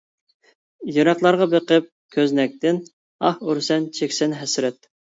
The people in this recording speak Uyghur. يىراقلارغا بېقىپ كۆزنەكتىن، ئاھ ئۇرىسەن، چېكىسەن ھەسرەت.